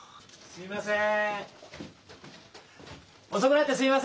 すいません。